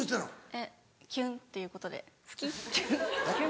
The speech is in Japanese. えっキュンっていうことで好きって。